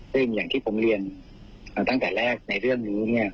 ซึ่งอย่างที่ผมเรียนตั้งแต่แรกในเรื่องนี้เนี่ย